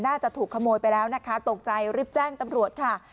น่าจะถูกขโมยไปแล้วนะคะตกใจรีบแจ้งตำรวจค่ะ